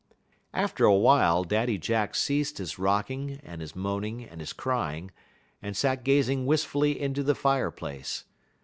After a while Daddy Jack ceased his rocking, and his moaning, and his crying, and sat gazing wistfully into the fireplace.